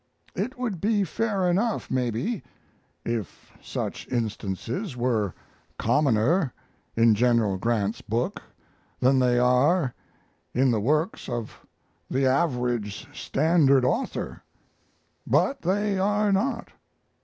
It would be fair enough, maybe, if such instances were commoner in General Grant's book than they are in the works of the average standard author but they are not.